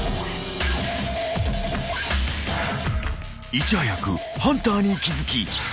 ［いち早くハンターに気付き］